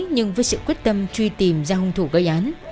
nhưng với sự quyết tâm truy tìm ra hung thủ gây án